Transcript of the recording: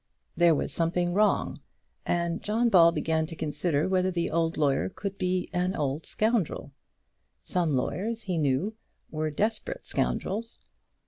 There was something wrong, and John Ball began to consider whether the old lawyer could be an old scoundrel. Some lawyers, he knew, were desperate scoundrels.